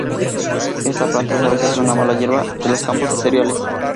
Esta planta es a veces una mala hierba de los campos de cereales.